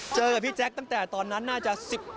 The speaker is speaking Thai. เจอกับพี่แจ๊คตั้งแต่ตอนนั้นน่าจะ๑๘